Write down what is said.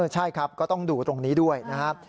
ใช่ครับก็ต้องดูตรงนี้ด้วยนะครับ